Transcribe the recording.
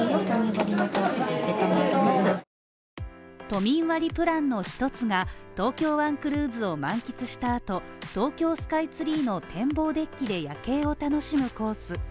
都民割プランの一つが、東京湾クルーズを満喫したあと東京スカイツリーの天望デッキで夜景を楽しむコース。